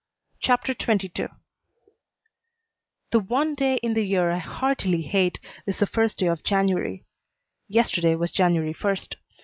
CHAPTER XXII The one day in the year I heartily hate is the first day of January. Yesterday was January first.